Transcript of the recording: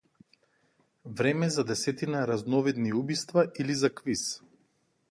Време за десетина разновидни убиства или за квиз?